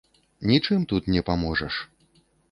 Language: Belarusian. Нічым тут не паможаш.